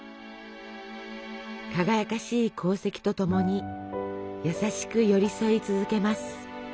輝かしい功績とともに優しく寄り添い続けます。